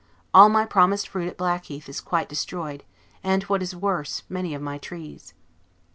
All my promised fruit at Blackheath is quite destroyed; and, what is worse, many of my trees.